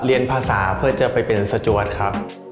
เรียนภาษาเพื่อจะไปเป็นสจวดครับ